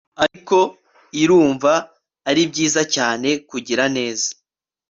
ariko irumva ari byiza cyane kugira neza